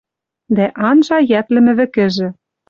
Дӓ анжа йӓтлӹмлӓ вӹкӹжӹ.